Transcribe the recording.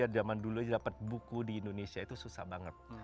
zaman dulu dapat buku di indonesia itu susah banget